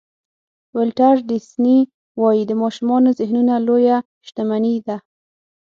ولټر ډیسني وایي د ماشومانو ذهنونه لویه شتمني ده.